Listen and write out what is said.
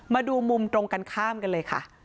มาดูมุมตรงกันข้ามกันเลยค่ะ